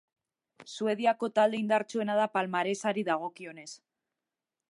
Suediako talde indartsuena da palmaresari dagokionez.